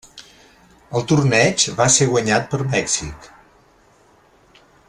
El torneig va ser guanyat per Mèxic.